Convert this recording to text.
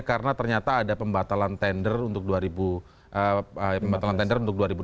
karena ternyata ada pembatalan tender untuk dua ribu enam belas